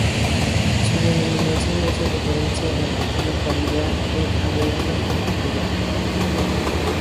Su denominación hace referencia a la localidad de Aveiro, en Portugal.